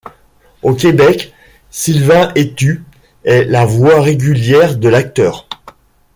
Au Québec, Sylvain Hétu est la voix régulière de l'acteur.